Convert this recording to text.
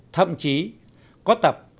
thậm chí có tập